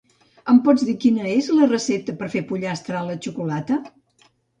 Em pots dir quina és la recepta per fer pollastre a la xocolata?